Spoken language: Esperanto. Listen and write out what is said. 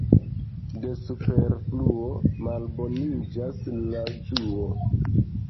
De superfluo malboniĝas la ĝuo.